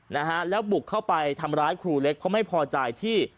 นะฮะแล้วบุกเข้าไปทำร้ายครูเล็กเพราะไม่พอใจที่